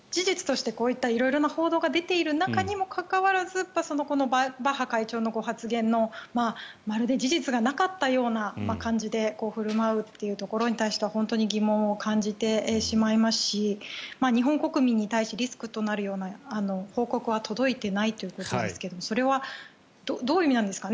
事実としてこういった色々な報道が出ている中であるにもかかわらずこういったバッハ会長の発言のまるで事実がなかったかのように振る舞うというところに対しては本当に疑問を感じてしまいますし日本国民に対してリスクとなるような報告は届いていないということですがそれはどういう意味なんですかね